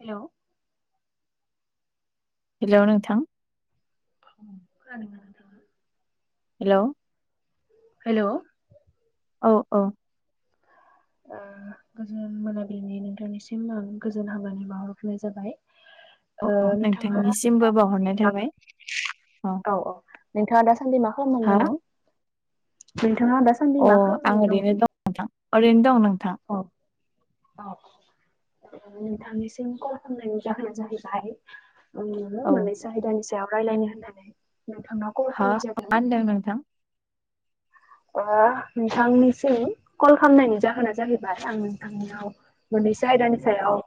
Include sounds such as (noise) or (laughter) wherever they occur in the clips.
हेल'। Hello नोंथां। (unintelligible) खोनादों ना नोंथां? हेल'। हेल'। औ औ। ओ गोजोन मोनाबिलिनि नोंथांनिसिम आं गोजोन हामलायनाय बावहरग्रोनाय जाबाय। औ ओ औ नोंथाङा नोंथांनिसिमबो बावहरनाय थाबाय। औ औ नोंथाङा दासान्दि मा हा खालामनानै दङ? नोंथाङा दासान्दि अ मा आं खालामनानै ओरैनो दंमोन? दं नोंथां ओरैनो दं नों औ औ। नोंथांनिसिम कल खालामनायनि जाहोना जाहैबाय ओम औ मोननैसो आयदानि सायाव सायाव रायलायनो होननानै नोंथांनाव कल हा खालामनाय मा जादों। होनदों नोंथां ओ नोंथांनिसिम कल खालामनायनि जाहोना जाहैबाय आं नोंथांनियाव मोननैसो आयदानि सायाव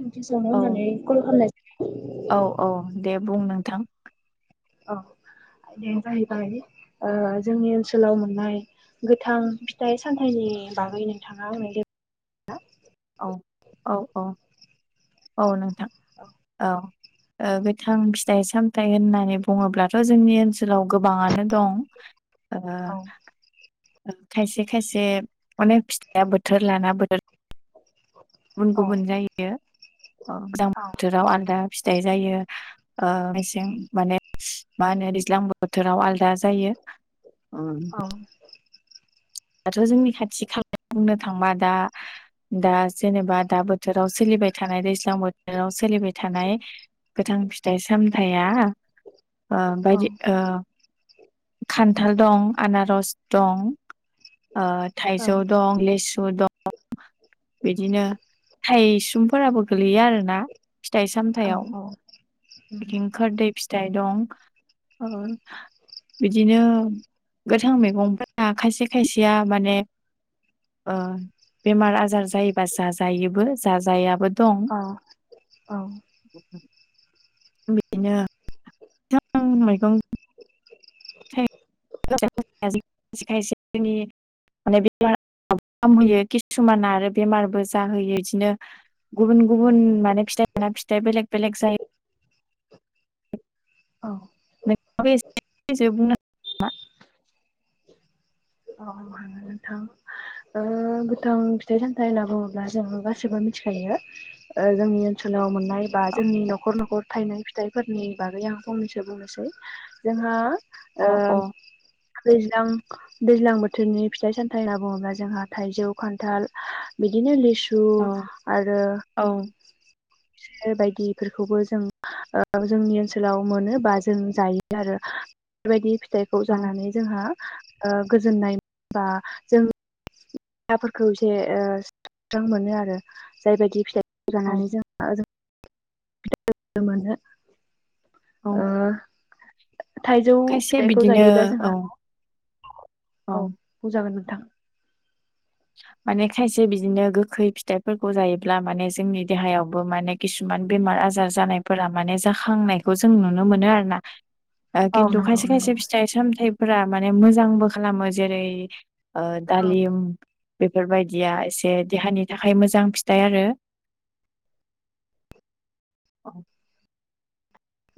सोंथि सोंनो औ होननानै कल खालामनाय औ औ दे बुं नोंथां। औ आयदाया जाहैबाय ओ जोंनि ओनसोलाव मोननाय गोथां फिथाइ सामथाइनि बागै नोंथाङा आंनो (unintelligible) ना? औ औ औ औ नोंथां औ। ओ गोथां फिथाइ सामथाइ होननानै बुङोब्लाथ' जोंनि ओनसोलाव गोबाङानो दं। ओ औ ओ खायसे खायसे अनेक फिथाइया बोथोर लाना बोथोर गुबुन औ गुबुन जायो ओ गोजां औ बोथोराव आलदा फिथाइ जायो ओ मेसें माने मा होनो दैज्लां बोथोराव आलदा जायो। औ। दाथ' जोंनि खाथि खाला बुंनो थांबा दा दा जेनेबा दा बोथोराव सोलिबाय थानाय दैज्लां बोथोराव सोलिबाय थानाय गोथां फिथाइ सा सामथाया ओ औ बायदि ओ खान्थाल दं, आनारस दं। ओ औ थाइजौ दं, लिसु दं बिदिनो थाइसुमफोराबो गो गोग्लैयो आरोना फिथाइ सामथायाव औ इथिं खोरदै फिथाइ दं। औ। बिदिनो गोथां मैगंफोरा खायसे खायसेया माने ओ बेमार आजार जायोबा जाजायोबो जाजायाबो। दं अ औ। बेनो (unintelligible) (unintelligible) (unintelligible) किसुमाना आरो बेमारबो जाहोयो बिदिनो गुबुन गुबुन माने फिथाइ लाना फिथाइ बेलेग बेलेग जायो। (inaudible) औ। (unintelligible) औ हागोन नोंथां। ओ गोथां फिथाइ सामथाइ होनोब्ला जों गासिबो मिथिखायो जोंनि ओनसोलाव आव मोननाय बा जोंनि न'खर न'खर थायनाय फिथाइफोरनि बागै आं फंनैसो बुंनोसै जोंहा अ ओ औ दैज्लां दैज्लां बोथोरनि फिथाइ सामथाइ होनना बुङोब्ला जोंहा थाइजौ खान्थाल बिदिनो लिसु सु आरो औ बायदि इफोरखौबो जों ओ जोंनि ओनसोलाव मोनो बा जों जायो आरो बेबायदि फिथाइखौ औ जानानै जोंहा ओ गोजोननाय बा जों (unintelligible) एसे स्रां मोनो आरो जायबायदि फिथाइखौ औ जानानै जों (unintelligible) मोनो औ ओ। थाइजौ खायसे फिथाइखौ बिदिनो जायोब्ला औ जोंहा औ बुंजागोन नों। माने खायसे बिदिनो गोखै फिथाइफोरखौ जायोब्ला माने जोंनि देहायावबो माने खिसुमान बा बेमार आजार जानायफोरा माने जाखांनायखौ जों नुनो मोनो आरोना। ओ औ खिन्थु नंगौ खायसे नंगौ खायसे फिथाइ सामथाइफोरा माने मोजांबो खालामो जेरै ओ दालिम बेफोरबायदिया एसे देहानि थाखाय मोजां फिथाइ आरो। औ।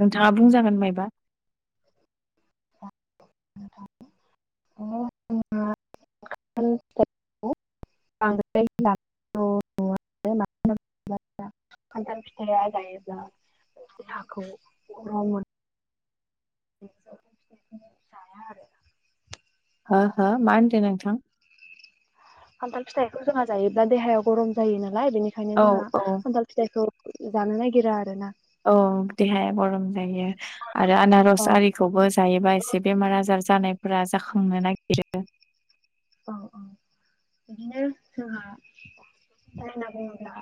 नोंथाङा बुंजागोन मायबा (unintelligible) (unintelligible) (unintelligible) खान्थाल फिथाइया जायोब्ला देहाखौ गरम मोनो (unintelligible) हो हो माहोनदों नोंथां। खान्थाल फिथाइखौ जोंहा जायोब्ला देहाया गरम जायो नालाय बेनिखायनो औ जोंहा औ खान्थाल फिथाइखौ जानो नागिरा आरो ना। औ देहाया गरम जायो आरो आनारस औ आरिखौबो जायोबा एसे बेमार आजार जानायफोरा जाखांनो नागिरो। औ औ बिदिनो जोंहा (unintelligible) बुंला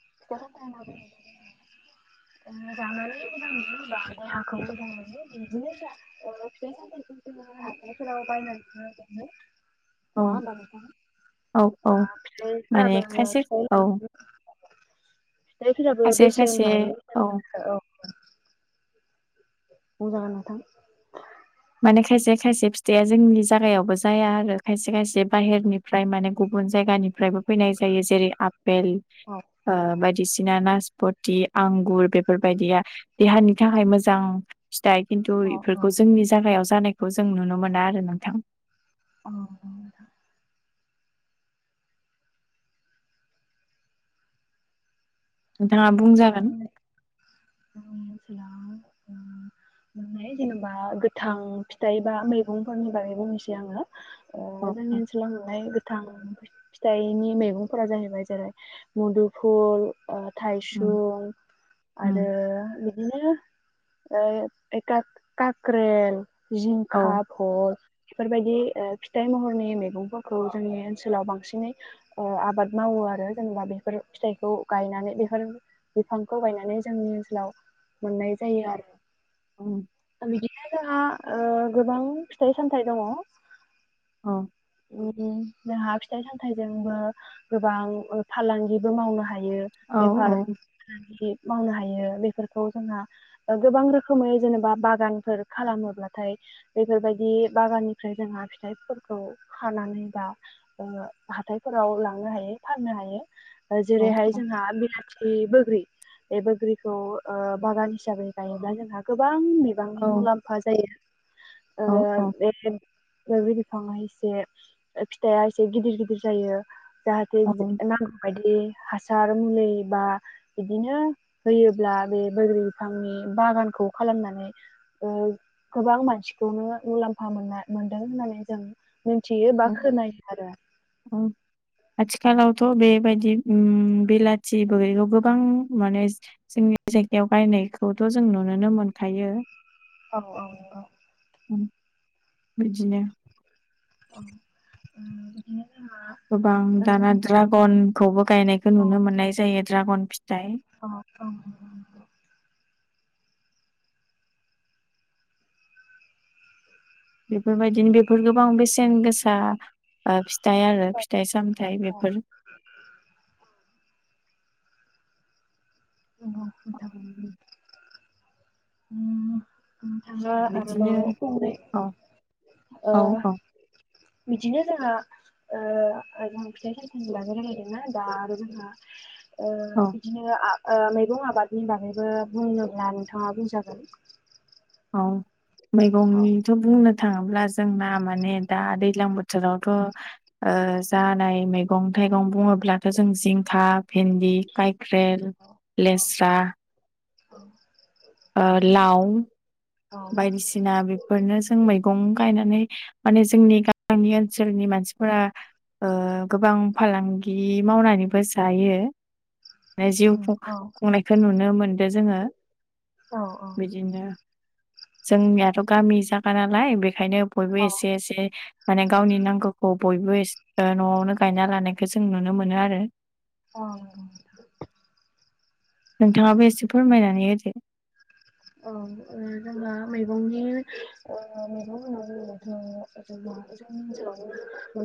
(unintelligible) (inaudible) (inaudible) नङा होनबा नोंथां औ ओ औ औ फिाइफोराबो माने खायसे औ फि जायखिनाबो खायसे बेसे खायसे लायो औ औ। मोजां आनो नोंथां। माने खायसे खायसे फिथाइआ जोंनि जायगायावबो जाया आरो खायसे खायसे बाहेरनिफ्राय माने गुबुन जायगा। फ्राय फैनाय जायो जेरै आफेल औ ओ अ बाय। बिसिना नासपति आंगुर बेफोरबायदिया देहानि थाखाय मोजां। फिथाइ खिन्थु अ बेफोरखौ जोंनि जगायाव जानायखौ जों नुनो मोना आरो नों औ। नोंथाङा बुंजागोन। जोंनि (unintelligible) जेनेबा गोथां फिथाइ बा मैगंफोरनि बागै बुंनोसै आङो। ओ औ जोंनि औ ओनसोलाव नुनाय गोथां फिथाइ ओ थाइसुं आरो उम बिदिनो ओ एख काक्रेल उम औ जिंखा, भर बेफोरबायदि फिथाइ महरनि मैगंफोरखौ जोंनि ओनसोलाव बांसिनै ओ आबाद मावो आरो जेनेबा बेफोर फिथायखौ गायनानै बेफोर बिफांखौ गायनानै जोंनि ओनसोलाव मोननाय जायो आरो। बिदिनो जोंहा ओ गोबां फिथाइ सामथाइ दङ'। औ। उम जोंहा फिथाइ सामथायाइजोंबो गोबां फालांगिबो मावनो हायो। हायो औ बेफार फालांगि मावनो हायो बेफोरखौ जोंहा गोबां ओ रोखोमै जेनेबा बागानफोर खालामोब्लाथाय बेफोरबायदि बागाननिफ्राय जोंहा फिथाइफोरखौ हानानै बा ओ हाथायफोराव लांनो हायो फाननो हायो। औ जेरैहाय जोंहा बिलाथि बोग्रि बे बोग्रिखौ ओ बागान हिसाबै गायोब्ला जोंहा गोबां गोबां बिबांनि औ मुलाम्फा जायो। ओ औ बे बोग्रि बिफाङा से एसे फिथाइया एसे गिदिर गिदिर जायो। जाहाथे औ नांगौ बायदि हासार मुलि बा बिदिनो होयोब्ला बे बोरग्रि बिफांनि बागानखौ खालामना नै गोबां मानसिखौनो मुलाम्फा मोन मोनदों होननानै जों मिथियो बा औ खोनायो आरो औ आथिखालावथ' बेबायदि उम बिलाथि बैग्रिखौ गोबां माने जोंनि जायगायाव बायनायखौथ' जों नुनोनो मोनखायो। औ औ। उम बिदिनो औ। गोबां दाना ड्रागनखौबो गायनायखौ नुनो मोननाय जायो दड्रागन फि अ'अ' बेफोरबायदिनो बेफोर गोबां बेसेन गोसा फि थाइ आरो फिथाइ सामथाय औ बेफोर नंगौ (inaudible) उम नोंथाङा बिदिनो आरोबाव फंनै औ ओ औ औ बिदिनो जोंहा ओ जों फिथाइ सामथाइ नि बागै रायज्लायदोंमोन ना दा आरो जोंहा ओ औ बिदिनो आ ओ मैगं आबादनि बागैबो बुंङोब्ला नोंथाङा बुं जागोन। औ मैगंनिथ' बुंनो थाङोब्ला जोंना माने दा दै ल्जां बोथोरथ' ओ जानाय मैगं थाइगं बुङोब्लाथ' जों जिंखा, भिन्दि, खाख्रेल औ लेस्रा औ। ओ लाव औ बायदिसिना बेफोरनो जों मै गं गायनानै माने जोंनि गामि ओनसोलनि मानसिफोरा ओ गोबां फालांगि मावनानैबो जायो। माने जिउ उम औ खुंनायखौ नुनो मोनदों जोङो औ औ। बिदिनो जोंनियाथ' गामि जायगा नालाय बेखायनो बयबो एसे एसे माने गावनि नांगौखौ बयबो ओ न'आवनो गायना लानायखौ जों नुनो मोनो आरो। अ'। नोंथाङाबो एसे फोरमायनानै होदो। औ ओ जोंहा मैगंनि ओ मैगं होनना बुङोबाथ' ओ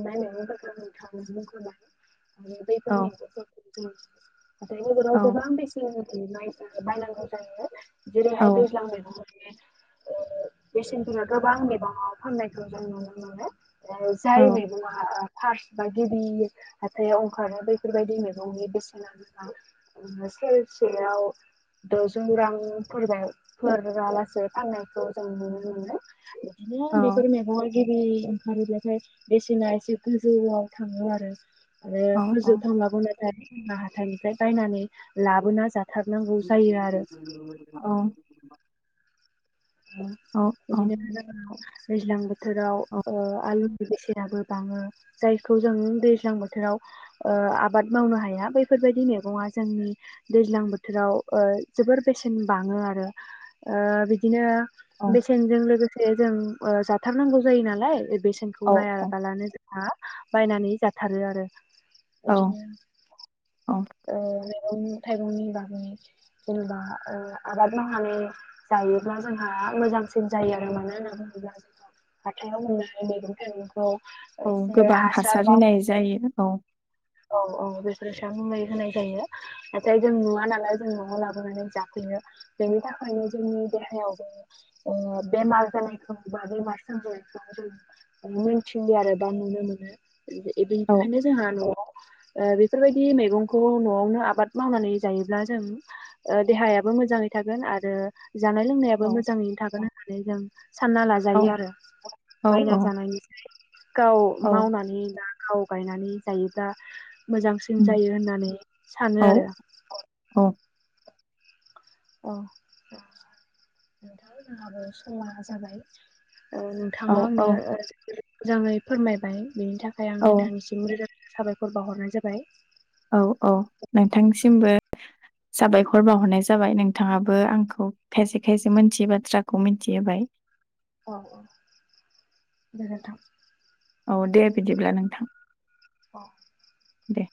औ जोंहा (unintelligible) (unintelligible) बायनांगौ जायो औ जेरैहाय दैज्लां मैगं उम ओ बेसेनफोरा गोबां बिबाङाव फाननायखौ जों नुनो मोनो। औ जाय मैगं हा फार्स बा गिबि हाथायाव ओंखारो बेैफोरबायदि मैगंनि बेसेना गोबां सेरसेयाव द'जौ रां फोरबाव फोर होलासे फाननायखौ जों नुनो मोनो। बिदिनो औ बेफोर मेगवगिरि ओंखारोबाथाइ बेसेना एसे गोजौआव थाङो आरो। आरो औ गोजौ थांनांगौनो जोंना हाथाइनिफ्राय बायनानै लाबोना जा थारनांगौ जायो आरो। औ। ओ औ बिदिनो दैज्लां बोथोराव ओ आलु बेसेनाबो बाङो जायखौ जों दैज्लां बोथोराव आबाद मावनो हाया बैफोर फोरबायदि मेगङा जोंनि दैज्लां बोथोराव ओ जोबोर बेसेन बाङो आरो ओ बि बिदिनो बेसेनजों लोगोसे जों ओ जाथारनांगौ जायो नालाय बेसेनखौ औ नायाबालानो जोंहा बायनानै जाथारो आरो। औ बिदिनो औ ओ मैगं थाइगंनि बागै जेनेबा ओ आबाद मावनानै जायो। ब्ला जोंहा मोजांसिन जायो आरो मानो होनना बुङोब्ला जोंहा हाथायाव मोननाय मैगं थाइगं खौ औ इसे गोबां हासार बा होनाय जायो औ (unintelligible) औ औ बेफोर सा मुलै होनाय जायो। नाथाय जों नुवा नालाय जों न'आव लाबोनानै जाफै यो। बेनि थाखायनो जोंनि देहायाव जों ओ बेमार जानायखौ (unintelligible) (unintelligible) मोनथियो आरो बा नुनो मोनो ओ बे औ बेनिखायनो जोंहा न'आव ओ बेफोरबायदि मैगंखौ न'आवनो आबाद मावनानै जायोब्ला जों ओ देहायाबो मोजाङै थागोन आरो जानाय औ लोंनायाबो मोजाङैनो थागोन होननानै जों सानना औ लाजायो आरो। औ बायना औ जानायनिफ्राय गाव औ मावनानै ला गाव गायनानै जायोब्ला मोजांसिन उम जायो होननानै औ सानो आरो। औ अ नोंथां। नोथां जोंहाबो समा जाबाय ओ औ नोंथाङा आंनो औ (unintelligible) मोजाङै फोरमायबाय। बेनि थाखाय आं औ नोंथांनिसिम रोजा रोज साबायखर बावहरनाय जाबाय। औ औ नोंथांसिमबो। साबायखर बावाहरनाय जाबाय। नोंथाङाबो आंखौ खायसे खायसे मोन्थियै बाथ्राखौ मोनथिहोबाय। औ औ गोजोनथों। औ दे बिदिब्ला नोंथां। औ। दे।